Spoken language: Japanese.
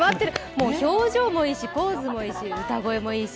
もう表情もいいし、ポーズもいいし歌声もいいし。